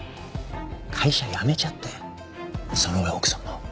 会社辞めちゃってその上奥さんが。